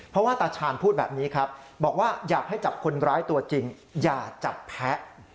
เพราะว่าตาชาญพูดแบบนี้ครับบอกว่าอยากให้จับคนร้ายตัวจริงอย่าจับแพ้